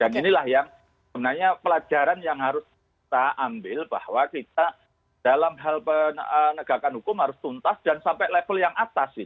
dan inilah yang sebenarnya pelajaran yang harus kita ambil bahwa kita dalam hal penegakan hukum harus tuntas dan sampai level yang atas